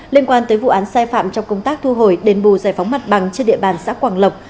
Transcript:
liên quan tới vụ án sai phạm trong công tác thu hồi đền bù giải phóng mặt bằng trên địa bàn xã quảng lộc